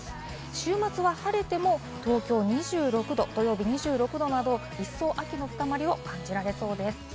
週末は晴れても東京２６度、土曜日も２６度など、一層、秋の深まりを感じられそうです。